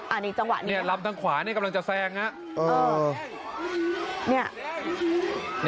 อันนี้จังหวะนี้เนี่ยลำทางขวานี่กำลังจะแซงฮะเออเนี่ย